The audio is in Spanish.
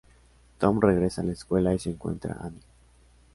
Tom regresa a la escuela y se encuentra Anne.